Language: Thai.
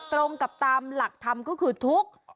ตรงกับตามหลักธรรมก็คือทุกข์